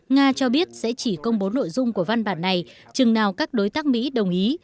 nga cho biết sẽ chỉ công bố nội dung của văn bản này chừng nào các đối tác mỹ đồng ý